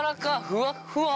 ふわふわ！